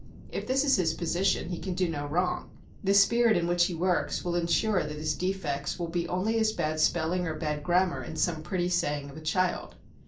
If this is his position he can do no wrong, the spirit in which he works will ensure that his defects will be only as bad spelling or bad grammar in some pretty saying of a child.